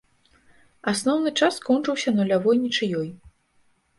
Асноўны час скончыўся нулявой нічыёй.